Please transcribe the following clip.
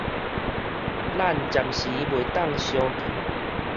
咱暫時袂當相見